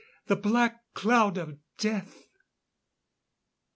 The black cloud of death!"